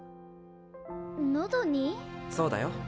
そうだよ。